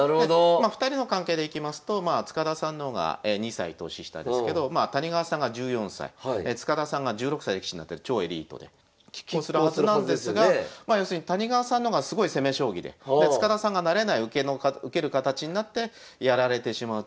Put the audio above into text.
２人の関係でいきますと塚田さんの方が２歳年下ですけど谷川さんが１４歳塚田さんが１６歳で棋士になってる超エリートで拮抗するはずなんですがまあ要するに谷川さんの方がすごい攻め将棋でで塚田さんが慣れない受ける形になってやられてしまうってケースが多くて。